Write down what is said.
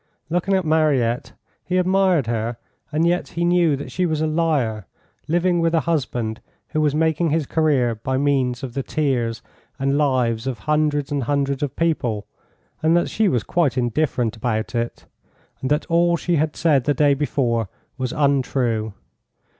Looking at Mariette, he admired her, and yet he knew that she was a liar, living with a husband who was making his career by means of the tears and lives of hundreds and hundreds of people, and that she was quite indifferent about it, and that all she had said the day before was untrue.